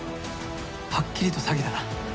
はっきりと詐欺だな。